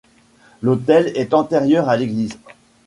L’autel est antérieur à l’église.